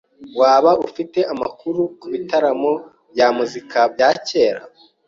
Waba ufite amakuru kubitaramo bya muzika bya kera?